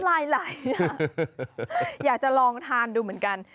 น้ำไหลอยากจะลองทานดูเหมือนกัน